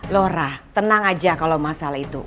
lorah tenang aja kalau masalah itu